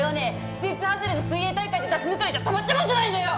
季節外れの水泳大会で出し抜かれちゃたまったもんじゃないのよ！